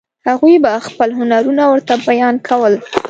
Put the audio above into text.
هغوی به خپل هنرونه ورته بیان کول.